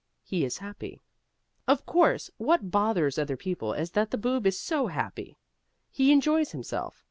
HE IS HAPPY Of course, what bothers other people is that the Boob is so happy. He enjoys himself.